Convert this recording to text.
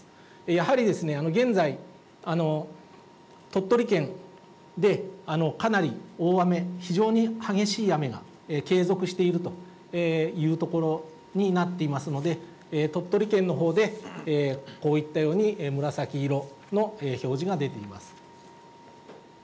やはり現在、鳥取県で、かなり大雨、非常に激しい雨が継続しているという所になっていますので、鳥取県のほうでこういったように、紫色の表示が出ています。